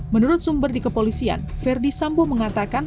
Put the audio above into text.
menurut sumber di kepolisian verdi sambo mengatakan